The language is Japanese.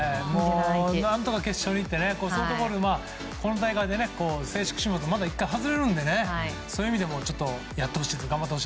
何とか決勝にいってソフトボールで今大会から正式種目から１回また外れるのでそういう意味でも頑張ってほしいですね。